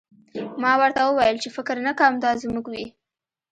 ما ورته وویل چې فکر نه کوم دا زموږ وي